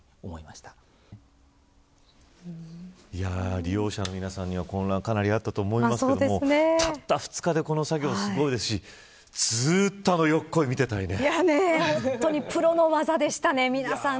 利用者の皆さんには混乱、かなりあったと思いますけれどもたった２日でこの作業、すごいですしずっと、あのよっこい本当に、プロの技でしたね。